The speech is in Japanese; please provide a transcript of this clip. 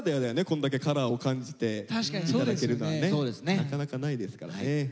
こんだけカラーを感じて頂けるのはねなかなかないですからね。